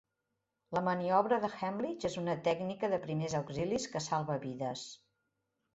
La maniobra d'Heimlich és una tècnica de primers auxilis que salva vides.